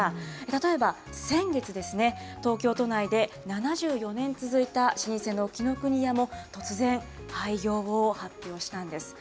例えば、先月ですね、東京都内で７４年続いた老舗の紀の国屋も、突然、廃業を発表したんです。